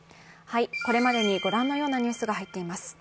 これまでに御覧のニュースが入っています。